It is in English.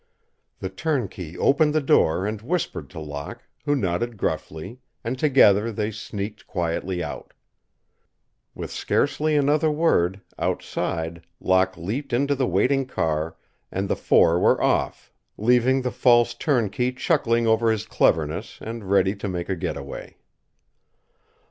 The turnkey opened the door and whispered to Locke, who nodded gruffly, and together they sneaked quietly out. With scarcely another word, outside, Locke leaped into the waiting car and the four were off, leaving the false turnkey chuckling over his cleverness and ready to make a get away.